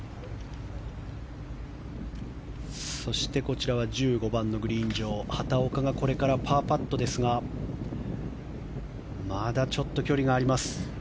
そしてこちらは１５番のグリーン上畑岡がこれからパーパットですがまだちょっと距離があります。